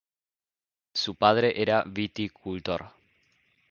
Su padre era viticultor.